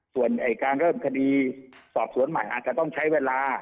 ส่วนการเริ่มคดีสอบสวนใหม่อาจจะต้องใช้เวลา